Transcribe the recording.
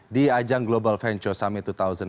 di ajang global venture summit dua ribu delapan belas